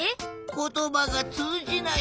ことばがつうじない。